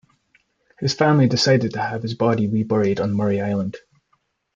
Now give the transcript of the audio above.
His family decided to have his body reburied on Murray Island.